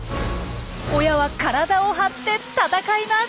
親は体を張って戦います！